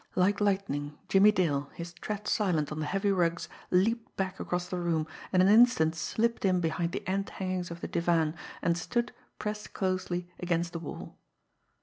Like lightning, Jimmie Dale, his tread silent on the heavy rugs, leaped back across the room, and in an instant slipped in behind the end hangings of the divan and stood, pressed closely, against the wall.